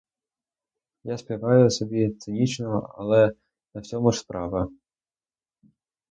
Я співаю собі цинічно, але не в цьому ж справа.